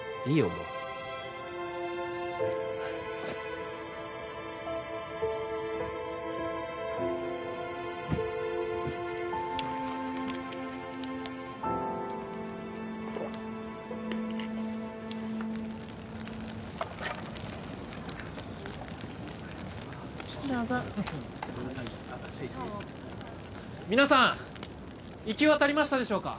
もうどうぞ皆さん行き渡りましたでしょうか？